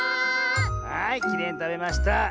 はいきれいにたべました！